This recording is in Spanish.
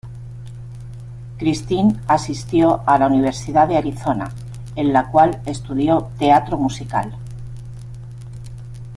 Christine asistió a la Universidad de Arizona, en la cual estudió teatro musical.